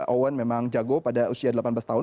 owen memang jago pada usia delapan belas tahun